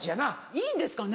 いいんですかね？